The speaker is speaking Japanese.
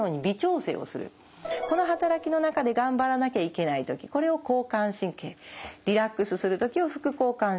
この働きの中で頑張らなきゃいけない時これを交感神経リラックスする時を副交感神経。